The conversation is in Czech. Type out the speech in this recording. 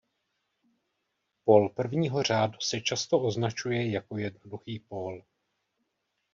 Pól prvního řádu se často označuje jako "jednoduchý pól".